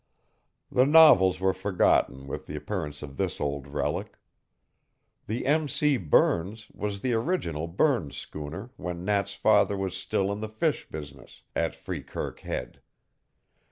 The novels were forgotten with the appearance of this old relic. The M. C. Burns was the original Burns schooner when Nat's father was still in the fish business at Freekirk Head.